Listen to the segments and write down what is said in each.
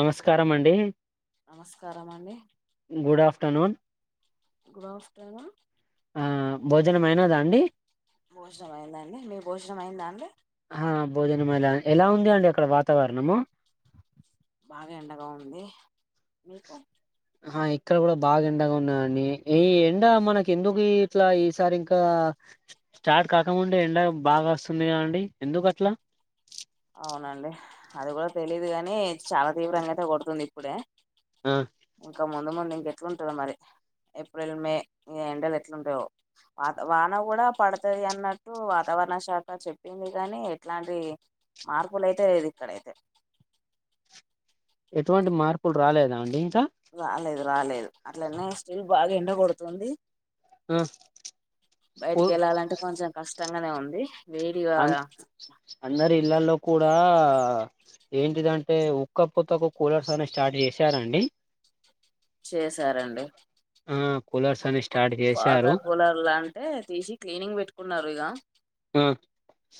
నమస్కారం అండి నమస్కారం అండి తను గ్రూఫ్టనా భోజనం అయినాదా అండి భోజనం అయిందండి మీ భోజనం అయిందా అండి ఆ భోజనమలా ఎలా ఉంది అండి అక్కడ వాతావరణము బాగా ఎండగా ఉంది మీకు ఆ ఇక్కడ కూడా బాగా ఎండగా ఉన్నాదండి ఈ ఎండ మనకి ఎందుకు ఇట్లా ఈసారి ఇంకా స్టార్ట్ కాకముందే ఎండ బాగా వస్తుంది కాదండి ఎందుకు అట్లా అవునండి అది కూడా తెలీదు గాని చాలా తీవ్రంగా అయితే కొడుతుంది ఇప్పుడే ఆ ఇంకా ముందు ముందు ఇంకెట్లుంటదో మరి ఏప్రిల్ మే ఈ ఎండలు ఎట్లుంటయో వాన కూడా పడతది అన్నట్టు వాతావరణం వాతావరణశాఖ చెప్పింది కానీ ఇట్లాంటి మార్పుల అయితే లేదు ఇక్కడ అయితే ఎటువంటి మార్పులు రాలేదా అండి ఇంకా రాలేదు రాలేదు అట్లనే స్టిల్ బాగా ఎండ కొడుతుంది ఆ కూ బయటికి వెళ్ళాలంటే కొంచెం కష్టంగానే ఉంది వేడిగా అ అందరి ఇల్లల్లో కూడా ఆ ఏంటిదంటే ఉక్కపోతకు కూలర్స్ అన్నీ స్టార్ట్ చేసారండి చేసారండి ఆ కూలర్స్ అని స్టార్ట్ పాత చేశారు కూలర్లు అంటే తీసి క్లీనింగ్ పెట్టు కున్నారు ఇక ఆ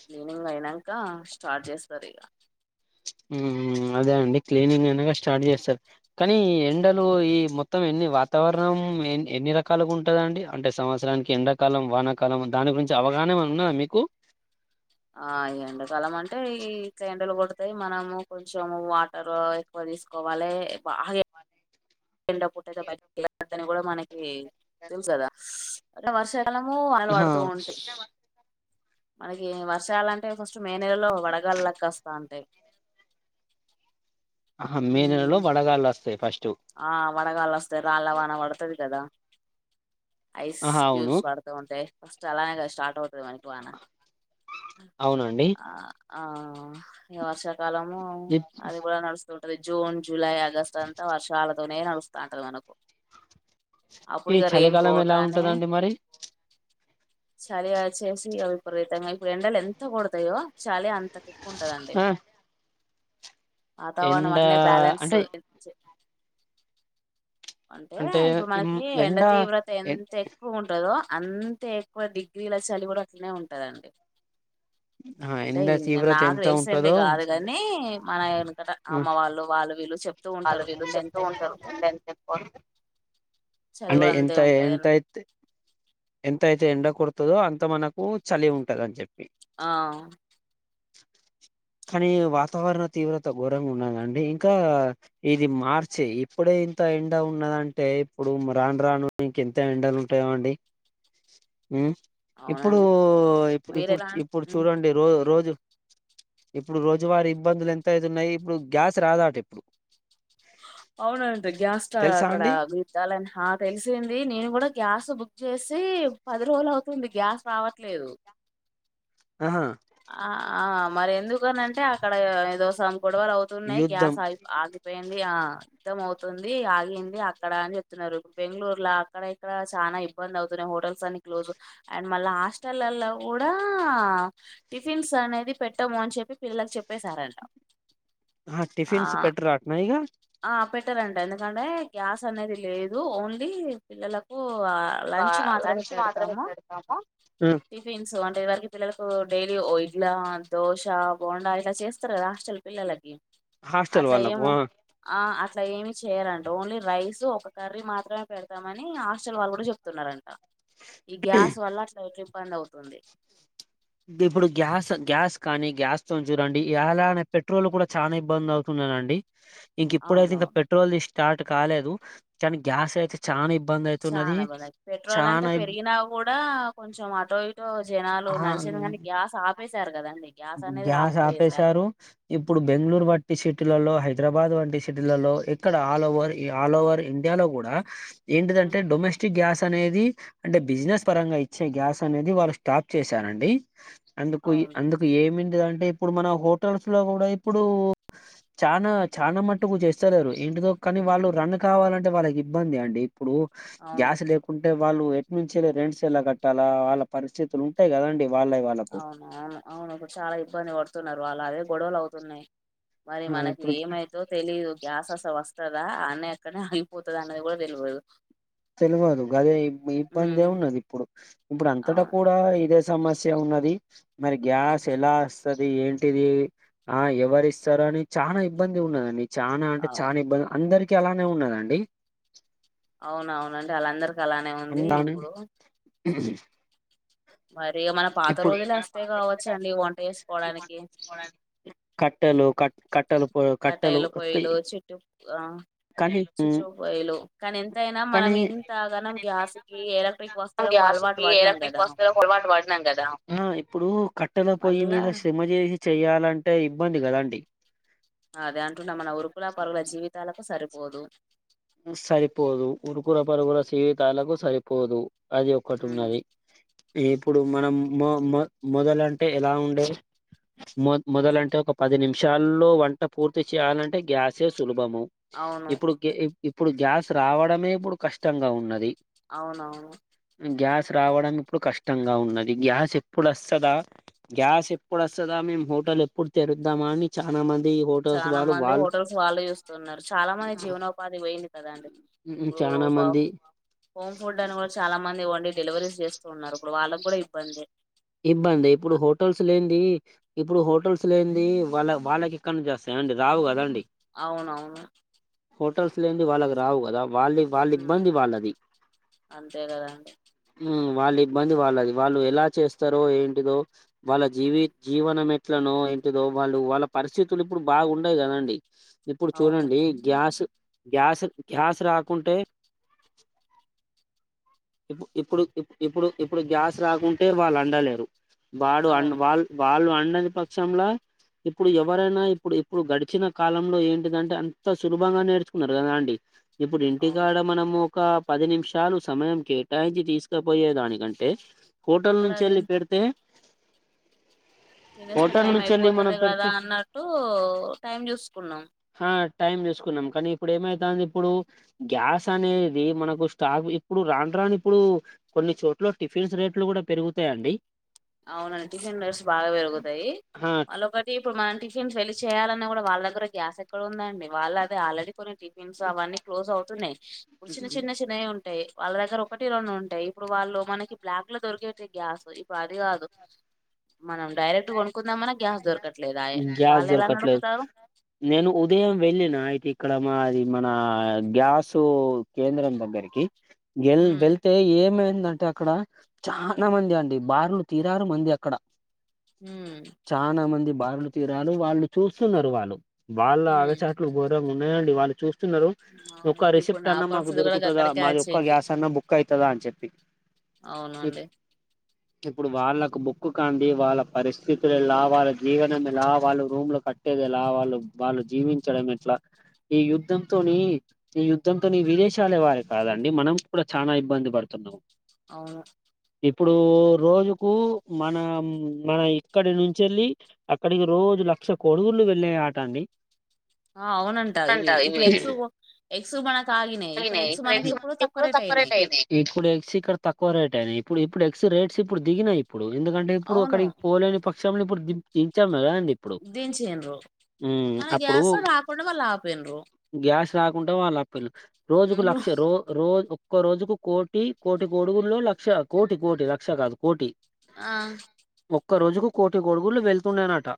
క్లీనింగ్ అయినాక స్టార్ట్ చేస్తారు ఇక మ్ అదే అండి క్లీనింగ్ అనగా స్టార్ట్ చేస్తారు కానీ ఎండలు ఈ మొత్తం ఎన్ని వాతావరణం ఎని ఎన్ని రకాలుగా ఉంటదండి అంటే సంవత్సరానికి ఎండాకాలం వానకాలం దానికి కూడా కొంచం అవగాహన ఉందా మీకు ఆ ఎండకాలం అంటే ఇక యండలు కొడతె మనము కొంచెం వాటర్ ఎక్కువ తీసుకోవాలి బాగా ఎక్కువ ఎండ పూటయితే బయట వెళద్దని కూడా మనకి తెలుసుకదా అదే వర్ష కాలము వానలు ఆహా పడుతూ ఉంటాయి మనకి వర్షాల అంటే ఫస్ట్ మే నెలలో వడగాళ్లు లెక్క వస్తా అంటాయి ఆహా మే నెలలో ఉమ్, వడగాళ్లు వత్తయి ఫస్ట్ ఆ వడగాళ్ళ వస్తయి రాళ్ళ వాన పడతది కదా ఐస్ ఆహా అవును క్యూబ్స్ పడుతూ ఉంటాయి. ఫస్ట్ అలానే స్టార్ట్ అవుతుది మనకి వాన అవున అండి ఆ ఆ ఇగ వర్షాకాలము ఈ అది కూడా నడుస్తుంటది జూన్ జులై ఆగస్ట్ అంతా వర్షాలతోనే నడుస్తాంటది మనకు ఈ అప్పుడిగ రెయిన్ చలికాలం కోట్ ఎలా అని ఉంటదండి మరి చలి వచేసి విపరీతంగా ఇప్పుడు ఎండలు ఎంత కొడతయో చలి అంత ఎక్కువుంటదండి ఆ వతావరణం ఎండ అట్లే అంటే బ్యాలెన్సు అంటే ఇప్పుడు మనకి ఎండ తీవ్రత ఎ ఎంత ఎక్కువగుంటదో అంతే ఎక్కువ డిగ్రీల చలి కూడా అట్లనే ఉంటదండి. ఆ అంటే ఎండ న్ తీవ్రత నాకు ఎంత తెలిసింది ఉంటదో కాదు గనీ మన వెనకట ఆ అమ్మ వాళ్ళు వాళ్ళు వీళ్ళు చెప్తూ ఉంటరు ఎండ ఎంత ఎక్కువ పడితే అంటే కూడా అంతే ఎంత ఉంటదని ఎంతయితే ఎంతయి ఎండ కుడుతదో అంత మనకు చలి ఉంటంద అని చెప్పి ఆ కనీ వాతావరణం తీవ్రత ఘోరంగా ఉన్నదండి ఇంకా ఇది మార్చి ఇప్పుడే ఇంత ఎండ ఉన్నదంటే ఇప్పుడు రాను రాను ఇంకెంత ఎండ ఉంటయో అండి బ్లాంక్ ఉ ఇప్పుడూ ఇప్పు మీరు ఇప్పుడు ఎలా ఇప్పుడు చూడండి రోజ్ రోజు ఇప్పుడు రోజువారి ఇబ్బందులు ఎంతయితున్నాయి. ఇప్పుడు గ్యాస్ రాదాట ఇప్పుడు అవునంట గ్యాస్ట తెలుసా అక్కడ అండి గుద్దాలని హ తెలిసింది నేను గూడ గ్యాస్ బుక్ చేసి పది రోజులు అవుతుంది. గ్యాస్ రావట్లేదు. ఆ ఆ ఆ మరి ఎందుకనింటే అక్కడ ఏదోసం గొడవలు అవుతున్నాయి యుద్ధం గ్యాస్ ఆగి ఆగిపోయింద ఆ అర్ధం అవుతుంది. ఆగింది అక్కడ అని చెప్తున్నరు. బెంగళూరుల అక్కడ ఇక్కడ చాన ఇబ్బంది అవుతు హోటల్స్ అని క్లోజ్ అండ్ మళ్ళ హాస్టలల్ల కుడా టిఫిన్స్ అనేది పెట్టము అని చెప్పి పిల్లలకు చెప్పేసారంట. ఆ టఫిన్స్ పెట్టారాట్నా ఇగా ట్టరంట ఎందుకంటే గ్యాస్ అనేది లేదు ఓన్లీ పిల్లలకు లంచ్ మాత్రమే లంచ్ మాత్రమే పెడతాము పెడతాము ఉమ్, టిఫన్స్ం ఇది వరకి పిల్లలకు డైలీ ఇడ్లా, దోశా, బోండా ఇట్లా చేస్తరు గదా హాస్టల్ పిల్లలకి. హాస్టల్ అట్ల వాళ్ళకు ఏమో ఆ ఆ అట్ అట్ల ఏమి చేయరంట. ఓన్లీ రైస్ ఒక కర్రీ మాత్రమే పెడతామని హాస్టల్ వాళ్ళు గూడ చెప్తున్నరంట. ఈ గ్యాస్ వల్ల అట్ల ఇట్ల ఇబ్బంది అవుతుంది. ఇప్పుడు గ్యాస్ గ్యాస్ కానీ గ్యాస్తోని చూడండి. యాలానే పెట్రోల్ కూడా చానా ఇబ్బంది అవుతుననం ఇంక ఇప్పుడయితే ఇంక అవునవును పెట్రోల్ది స్టార్ట్ కాలేదు. కాని గ్యాస్ అయితే చానా ఇబ్బం చానా బద పెట్రోల్ అంటే పెరిగినా కూడా కొంచెం అటో ఇటో జ నాలు ఆ నడిశింగని గ్యాస్ ఆఫ్ జేసారు గ్యాస్ ఆపేశారు ఇప్పుడు బెంగళూరు వట్టి సిటీలలో హైప్ హైదరాబాద్ వంటి సిటీలలో ఇక్కడ ఆల్ ఓవర్ ఆల్ ఓవర్ ఇండియాలో కూడా ఏంటిది అవును అంటే డొమెస్టిక్ గ్యాస్ అనేది అంటె బిజినెస్ పరంగా ఇచ్చే గ్యాస్ అనేది వాళ్ళు స్టాప్ చేశారండి. అందుకు అవును అందుకు ఏమింది అంటే ఇప్పుడు మన హోటల్స్ లో గూడా ఇప్పుడు చానా చానా మట్టుకు చేస్తలేరు. ఎంటితో కనీ వాళ్ళు రన్ కావాలంటే వాళ్ళకి ఇబ్బంది అండి. ఇప్పుడు అవును గ్యాస్ లేకుం అంటే వాళ్ళు ఎటినుంచి అయినా రెంట్స్ ఎలా కట్టాలా, వాళ్ళ పరిస్థితులు ఉంటాయి కదండి. వాళ్ళయి వాళ్ళకు అవును అవును ఇప్పుడు చాలా ఇబ్బంది పడుతున్నారు. వాళ్ళు అవే గొడవలు అవుతున్నాయి. మరి ఆ మనకి ఇప్పుడు ఏమైద్దో తెలీదు గ్యాస్ అస్ వస్తద్ రా ఆన్నె అక్కన్నె ఆగిపోతది అనేది కూడా తెలవదు. తెలివదు గదే ఇబ్ ఇబ్బందే ఉమ్ ఉన్నది ఇప్పుడు ఇప్పుడు అంతటా అవును కూడా ఇదే సమస్య ఉన్నది మరి గ్యాస్ అవును ఎలా స అది ఏంటిది ఆ ఎవరిస్తారు. అని చానా ఇబ్బందిగున్నదండి. చానా అంటే చానా ఇబ్బంది అందరికి అలానే ఉన్నద అండి. అవును అవునండి ఆళ్ళందరికి అలానే ఉంది అందాని ఇప్పుడు [inaudible] మరి మన పాత ఇప్పుడు రోజులె వొస్తాయ్ కావొచ్చు అండి వంట చేసుకోడానికి కట్టెలు కట్ కట్టెలు పో కట్టెలు కటాయిలో పోయిలు చుట్టు ఆహ్ కానీ చుట్టూ పోయిలు కానీ ఎంతయినా మనం కానీ ఇంతాగానం గ్యాస్ కి ఎలక్ట్రిక్ వస్తువులక్ గ్యాస్ కి ఎలక్ట్రిక్‌ వస్తువులకి పొడవాటి కదా అహ్ ఇప్పుడు కట్టెల పొయ్యి మళ్ళా మీద శ్రమ జేసి చెయాలంటే ఇబ్బంది గదండి అదే అంటున్న మన ఉరుకుల పరుగుల జీవితాలకు సరిపోదు హ్మ సరిపోదు ఉరుకుల పరుగుల శివితాలకు సరిపోదు అది ఒక్కటి ఉమ్ ఉన్నది ఇప్పుడు మనం మొ-మొ-మొదలంటే ఎలా ఉండే అవును మొ-మొదలంటే ఒక పది నిమిషాల్లో వంట పూర్తి చేయాలంటే గ్యాసే సులువ్ బము అవును ఇప్పుడుకి ఇ-ఇప్పుడు గ్యాస్ రావడమే ఇప్పుడు కష్టంగా ఉన్నది అవునవును గ్యాస్ రావడం ఇప్పుడు కష్టంగా ఉన్నది గ్యాస్ ఎప్పుడు వస్తదా గ్యాస్ ఎప్పుడు వస్తదా మేమ్ హోటల్ ఎప్పుడు తెరుద్దామా అని చానా మన్‌ చానా మంది హోటల్స్ వాళ్ళే చూస్తున్నారు చాలా మంది జీవనోపాధి పోయింది కదండి ఇప్పుడు చాలా బా మంది హోమ్ ఫుడ్ అని కూడా చాలా మంది వండి డెలివరీస్ చేస్తూ ఉన్నారు ఇప్పుడు వాళ్ళకి గూడా ఇబ్బందే ఇబ్బందే ఇప్పుడు హోటల్స్ లేందీ ఇప్పుడు హోటల్స్ లేందీ వాళ్ళ వాళ్ళకి ఎక్కనుంచి వస్తాయి అండి రావు కదండి అవునవును హోటల్స్ లేంది వాళ్ళకి రావు కదా వాళ్ళి వాళ్ళిబ్బంది ఉమ్, వాళ్ళది అంతే కదండి ఉమ్ వాళ్ళి ఇబ్బంది వాళ్ళది వాళ్ళు ఎలా చేస్తారో ఏంటిదో వాళ్ళ జీవి జీవనమే ట్లనో ఎంటిదో వాళ్ళు వాళ్ళ పరిస్థితులు ఇప్పుడు బాగుండయి కదండి ఇప్పుడు అవును చూడండి గ్యాస్ గ్యాస్ గ్యాస్ రాకుంటే ఇప్పు ఇప్పుడు ఇప్పు ఇప్పుడు ఇప్పుడు గ్యాస్ రాకుంటే వాళ్ళు అండలేరు వాడు అండ్ అవును వాళ్ వాళ్ళు అండని పక్షంలా ఇప్పుడు ఎవరైనా ఇప్పుడు ఇప్పుడు గడిచిన కాలంలో ఏంటిదంటే ఆంత సులభంగా నేర్చుకున్నారు గదా అండి ఇప్పుడు అవును ఇంటికాడ మనము ఒక పది నిమిషాలు సమయం కెటాయించీ తీసుకపోయే దానికంటే హోటల్ అక్కడ అది నుంచెళ్ళి పెడితే తినేస్తే హోటల్ టైం నుంచి వెళ్ళి మనం అయిపోతుంది కదా పెడితే అన్నట్టూ టైం చూసుకున్నం టైమ్ చసుకున్నాం కానీ ఇప్పుడు ఏమైతాంది ఇప్పుడు గ్యాస్ అనేది మనకు స్టాక్‌ ఇప్పుడు రాన్ ట్రానిప్పుడు కొన్ని చోట్ల టిఫిన్స్ రేట్లు కూడా పెరుగుతాయండి అవునండి టిఫిన్ రెట్స్ బాగా పెరుగుతాయి ఆ మళ్ళోకటి ఇప్పుడు మన టిఫ్ ఫిన్స్ వెళ్లి చేయాలన్నా గూడా వాళ్ళ దగ్గర గ్యాస్ ఎక్కడుందండి వాళ్ళ అదే ఆల్రెడీ కొన్ని టిఫిన్స్ అవన్నీ క్లోజ్ అవుతున్నాయి ఇప్పుడు చిన్న చిన్న చిన్నయి యే టయ్ వాళ్ళ దగ్గర ఒకటి రెండుంటాయి ఇప్పుడు వాళ్ళు మనకి బ్లాక్ లో దొరికేటి గ్యాస్ ఇప్పు అది గాదు మనం డైరెక్ట్ కొనుక్కుందామన్న గ్యాస్ దొరకట్లేదాయే గ్యాస్ వాళ్ళు ఎలా దొరకట్లేదు నడుపుతారు నేను ఉదయం వెళ్ళినా అయితే ఇక్కడ మాది మన ఆ గ్యాసూ కేంద్రం దగ్గరికి ఎల్ ఉమ్ వెల్తే ఏమైందన్‌ టే అక్కడ చానా మంది అండి బార్లు తీరారు మంది అక్కడ. హ్మ్ చానా మంది బార్లు, తీరలు వాళ్ళు చూస్తున్నారు వాళ్ళు వాళ్లా ఉమ్ ఆగచాట్లు ఘోరంగా ఉన్నాయండి వాళ్ళు చూస్తు చున్నరు అవును ఒక్క ఇప్పుడు రిసీప్ట్ నా అన్నా మాకు పరిస్థితి కూడా దొరుకుతాదా గక్కడికే మాది ఒక్క వచ్చింది గ్యాస్ అన్నా బుక్ అయితదా అని చెప్పి ఈ అవునండి ఇప్పుడు వాళ్ళకు బుక్కు కాండి వాళ్ళ పరిస్థితులు ఎలా వాళ్ళ జీవనం ఎలా వాళ్ళు రూంలు కట్టేది ఎలా వాళ్ళు వాళ్ళు జీవించడం ఎట్లా ఈ యుద్ధంతోని ఈ యుద్ధంతోని విదేశాలే వారే కాదండి మనం కూడా చాలా ఇబ్బంది పడుతున్నాము అవును. ఇప్పుడు రోజుకు మనం, మన ఇక్కడి నుంచెళ్ళి అక్కడికి రోజు లక్ష కొడుగులు వెళ్ళే ఆట అండి. ఆ అవునంట ఇవి ఇప్పుడు ఎక్స్ ఓ ఇప్పుడు అయినాయి ఇప్పుడు ఎగ్స్ తక్వ రేట్ అయింది, ఇప్పుడు ఎగ్స్ ఇక్కడ తక్వ రేట్. ఇప్పుడు ఇప్పుడు ఎక్స్ రేట్స్ ఇప్పుడు దిగినయి. ఇప్పుడు ఎందుకంటే ఇప్పుడు అవును అక్కడికి పోలేని పక్ష్మలు ఇప్పుడు దించి, ఇచ్చను గాండి. ఇప్పుడు దించిండ్రు ఉమ్ మన అప్పుడు గ్యాస్ రాకుండా వాళ్ళు ఆపిండ్రు గ్యాస్, కాకుండా వాళ్ళ అప్పేలు రోజుకు లక్ష రో రో, ఒక రోజుకు కోటి కోటి గడుగుల్లో లక్ష కోటి కోటి లక్ష కాదు కోటి, ఆ ఒక్క రోజుకు కోటి గొడుగుళ్లు వెళ్తుండేనట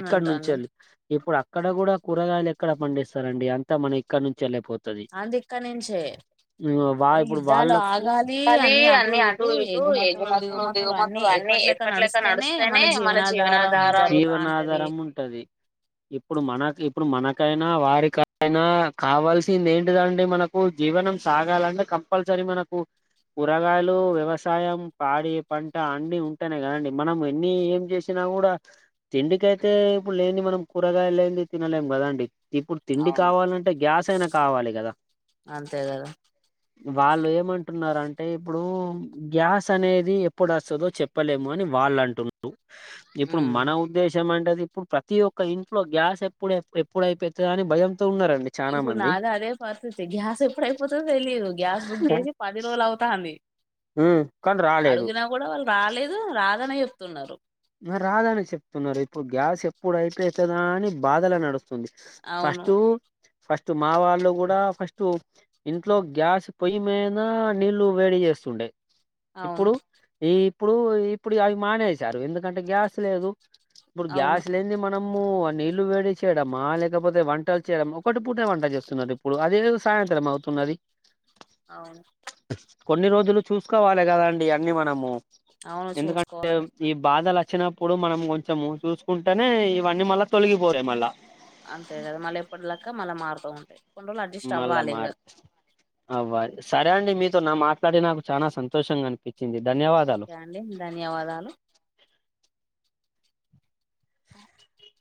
ఇక్కడ నుంచి అండి వెళ్ళి ఇప్పుడు ఇక్కడ కూడా కూరగాయలు ఎక్కడ పండిస్తారండి. అంతా మన ఇక్కడ నుంచి వెళ్లేపో అంది ఇక్కడ నుంచే వా ఇప్పుడు వాళ్ళకు వాళవి అన్ని అటు, ఇటు ఎగుమతులు దిగుమతులు అన్ని అప్పట్లక నడుస్తేనే మన జీవనాధారం, జీవనాధారం ఉంటది ఇప్పుడు మనకి ఇప్పుడు మనకైనా వారికైనా కావాల్సింది ఏంటిదండి మనకు జీవనం, తాగాలంటే కంపల్సరీ మనకు, కూరగాయలు వ్యవసాయం పాడి పంట అన్ని ఉ అనే కదండి మనం ఎన్ని ఏం చేసినా కూడా తిండికయితే. ఇప్పుడు లేని మనం కూరగాయ లేని ఈ తినలేం గదాం అండి ఇప్పుడు తిండి అవును కావాలంటే గ్యాస్ అయినా కావాలి కదా. అంతే కదా వాళ్ళు ఏమంటున్నారు అంటే ఇప్పుడు గ్యాస్ అనేది ఎప్పడ అస్తదో చెప్ చెప్పలేము అని వాళ్ళు అంటున్నారు. ఇప్పుడు ఉమ్. మన ఉద్దేశం అంటే ఇప్పుడు ప్రతి ఒక్క ఇంట్లో గ్యాస్ ఎప్పుడు ఎప్పుడ అయిపోతాది అని భయం ఇప్పుడు నాద అదే పరిస్థితి గ్యాస్ ఎప్పుడైపోతదో తెలీయదు గ్యాస్ బుక్ చేసి పది రోజులు అవుతాంది. ఉమ్, కానీ రాలేదు అడుగినా కూడా వాళ్ళు రాలేదు రాదని చెప్తున్నారు. మరి రాద అని చెప్తున్నారు ఇప్పుడు గ్యాస్ ఎప్పుడ ఐతే అయితదా అని బాధల నడుస్తు స్తుంది అవును ఫస్ట్ ఫస్ట్ మా వాళ్ళు కూడా ఫస్ట్ ఇంట్లో గ్యాస్ పొయ్యి మీనా నీళ్ళు వేడి చేస్తుండే, అవును ఇప్పుడు ఈ ఇప్పుడు ఇప్పుడు అవి మానేసారు ఎందుకు ఎకంటే గ్యాస్ లేదు ఇప్పుడు అవును గ్యాస్ లేంది మనం వామ్మో నీళ్లు వేడి చేయడమా లేకపోతే వంటలు చేయడం ఒకటి పూటే వంట చేస్తున్నారు. ఇప్పుడు అదే, నింతరం అవుతున్నది. అవును. కొన్ని రోజులు చూసుకోవాలి కదాండి అన్ని మనము అవును చూడ్సుకోవాలే పధలు వచ్చినప్పుడు మనం కొంచెం చూసుకుంటేనే ఇవన్నీ మళ్ళ తొలగిపోరాయి మళ్ళ అంతే కదా మళ్ళీ ఎప్పటి లాకా మళ్ళీ మారుతూ ఉంటాయి. కొన్ని రోజు అడ్జస్ట్ అవ్వాలిగ అవ్వ సరే అండి మీతో నా మాట్లాడి నాకు చాలా సంతోషంగా అనిపి, ఓకే అండి ధన్యవాదాలు. [inaudible]